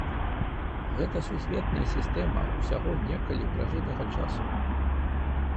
Гэта сусветная сістэма ўсяго некалі пражытага часу.